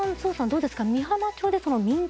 どうですか。